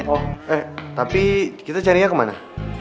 oh eh tapi kita carinya kemana